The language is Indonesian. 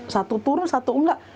satu turun satu nggak